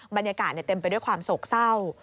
บรรยากาศเต็มไปด้วยความโศกเศร้า